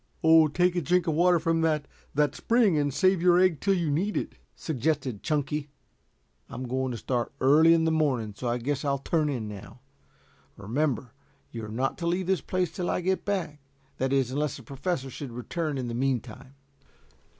"Oh, take a drink of water from that that spring and save your egg till you need it," suggested Chunky. "I'm going to start early in the morning, so I guess I'll turn in now. Remember, you are not to leave this place till I get back that is, unless the Professor should return in the meantime."